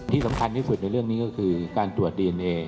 ที่สำคัญที่สุดในเรื่องนี้ก็คือการตรวจดีเอนเอ